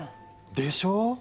でしょう？